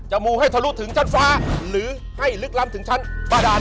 มูให้ทะลุถึงชั้นฟ้าหรือให้ลึกล้ำถึงชั้นบาดาน